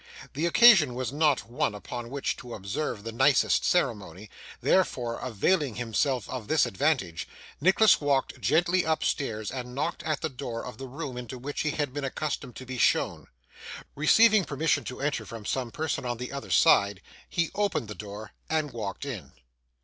The occasion was not one upon which to observe the nicest ceremony; therefore, availing himself of this advantage, Nicholas walked gently upstairs and knocked at the door of the room into which he had been accustomed to be shown. Receiving permission to enter, from some person on the other side, he opened the door and walked in.